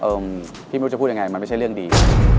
เอิ่มพี่ไม่รู้จะพูดอย่างไรมันไม่ใช่เรื่องดี